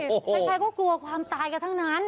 ใครก็กลัวความตายกันทั้งนั้น